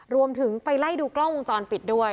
ไปไล่ดูกล้องวงจรปิดด้วย